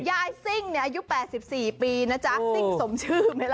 อายุ๘๔ปีน่ะจ๊ะซิ้งท้มชื่อไหมล่ะ